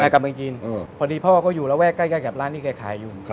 กลับเมืองจีนพอดีพ่อก็อยู่ระแวกใกล้กับร้านที่แกขายอยู่